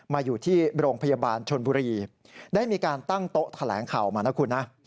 มาอยู่ที่โรงพยาบาลชนบุรีได้มีการตั้งโต๊ะแถลงข่าวมานะคุณนะ